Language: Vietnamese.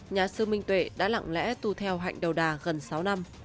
nhà sư minh tuệ đã lặng lẽ tu theo hạnh đầu đà gần sáu năm